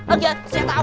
ở kìa xe tao